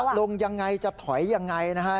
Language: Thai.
ลงยังไงจะถอยยังไงนะฮะ